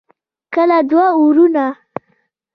لکه دوه ورونه.